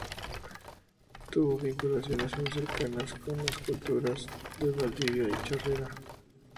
Tuvo vinculaciones muy cercanas con las culturas de Valdivia y Chorrera.